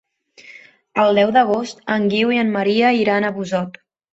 El deu d'agost en Guiu i en Maria iran a Busot.